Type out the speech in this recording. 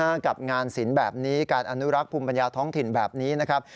กับงานศิลป์แบบนี้การอนุรักษ์ภูมิปัญญาท้องถิ่นแบบนี้นะครับ